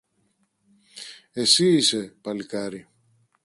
Εσύ είσαι, παλικάρι